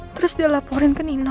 terus dia laporin ke nino